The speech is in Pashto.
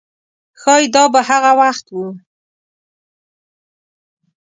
ښایي دا به هغه وخت و.